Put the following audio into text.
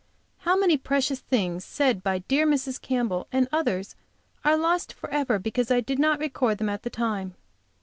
How many precious things, said by dear Mrs. Campbell and others, are lost forever, because I did not record them at the time!